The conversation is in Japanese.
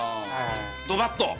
ドバッと！